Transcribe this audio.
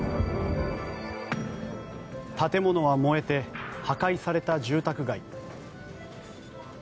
建物は燃えて破壊された住宅街。